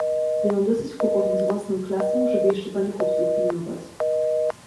"Ja mam dosyć kłopotów z własną klasą, żeby jeszcze pani chłopców pilnować."